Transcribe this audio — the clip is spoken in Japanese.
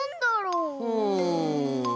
うん。